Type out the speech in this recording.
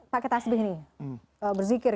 pakai tasbih nih berzikir